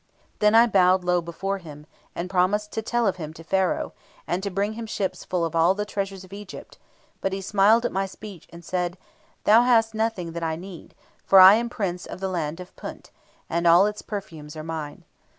"Then I bowed low before him, and promised to tell of him to Pharaoh, and to bring him ships full of all the treasures of Egypt; but he smiled at my speech, and said, 'Thou hast nothing that I need, for I am Prince of the Land of Punt, and all its perfumes are mine.